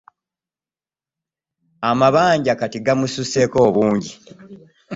Amabanja kati gamususseeko obungi.